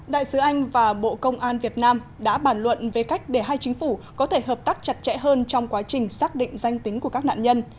đại sứ anh và bộ công an việt nam đã bản luận về cách để hai chính phủ có thể hợp tác chặt chẽ hơn trong quá trình xác định danh tính của các nạn nhân